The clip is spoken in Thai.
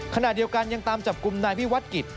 ขณะเดียวกันยังตามจับกลุ่มนายวิวัตกิจ